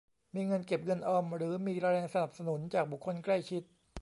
มีเงินเก็บเงินออมหรือมีแรงสนับสนุนจากบุคคลใกล้ชิด